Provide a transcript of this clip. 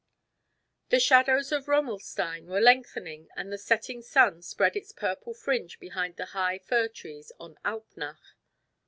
The shadows on Romelstein were lengthening and the setting sun spread its purple fringe behind the high fir trees on Alpnach.